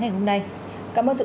hiện tổ hợp miễn phí